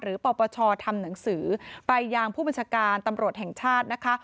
ปปชทำหนังสือไปยังผู้บัญชาการตำรวจแห่งชาตินะคะ